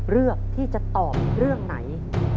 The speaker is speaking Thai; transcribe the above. เลือกที่จะตอบเรื่องไหน